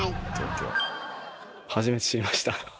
初めて知りました。